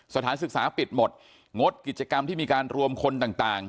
สถานศึกษาปิดหมดงดกิจกรรมที่มีการรวมคนต่าง